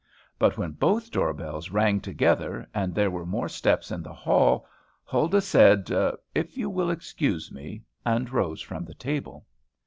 But, when both door bells rang together, and there were more steps in the hall, Huldah said, "If you will excuse me," and rose from the table.